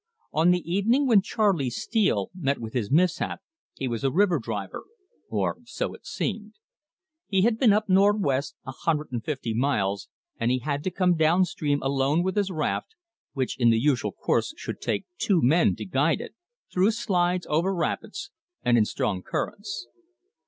On the evening when Charley Steele met with his mishap he was a river driver or so it seemed. He had been up nor'west a hundred and fifty miles, and he had come down stream alone with his raft which in the usual course should take two men to guide it through slides, over rapids, and in strong currents.